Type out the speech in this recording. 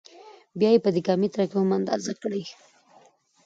بیا یې په دېکا متره کې هم اندازه کړئ.